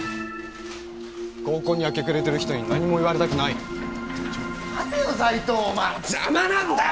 合コンに明け暮れてる人に何にも言われたくないね邪魔なんだよ！